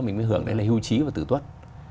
mình mới hưởng đấy là hưu trí và tử tuất